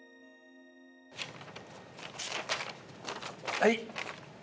はい。